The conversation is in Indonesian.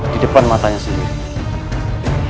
di depan matanya sendiri